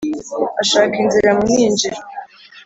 Ashakira inzira mu mwinjiro